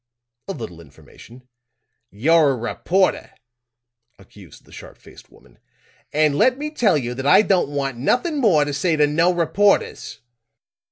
"A little information." "You're a reporter!" accused the sharp faced woman. "And let me tell you that I don't want nothing more to say to no reporters."